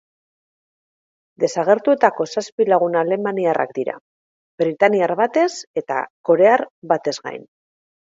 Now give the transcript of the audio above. Desagertuetako zazpi lagun alemaniarrak dira, britainiar batez eta korear batez gain.